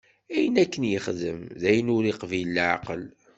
Ayen akken yexdem, d ayen ur iqebbel leɛqel.